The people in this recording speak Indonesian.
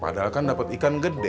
padahal kan dapat ikan gede